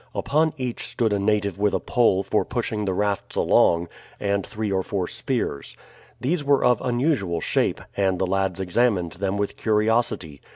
Upon each stood a native with a pole for pushing the rafts along, and three or four spears. These were of unusual shape, and the lads examined them with curiosity.